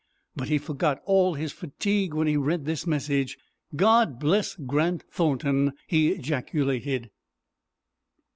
But he forgot all his fatigue when he read this message. "God bless Grant Thornton!" he ejaculated.